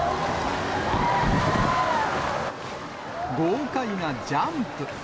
豪快なジャンプ。